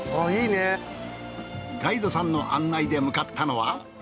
ガイドさんの案内で向かったのは。